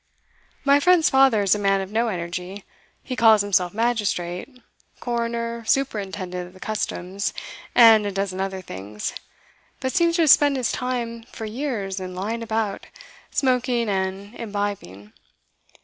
My friend's father is a man of no energy; he calls himself magistrate, coroner, superintendent of the customs, and a dozen other things, but seems to have spent his time for years in lying about, smoking and imbibing.